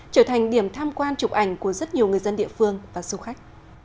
trở thành điểm tham quan chụp ảnh của rất nhiều người dân địa phương và du khách